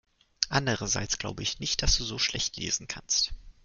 Andererseits glaube ich nicht, dass du so schlecht lesen kannst.